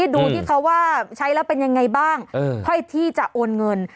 ดูที่เขาว่าใช้แล้วเป็นยังไงบ้างค่อยที่จะโอนเงิน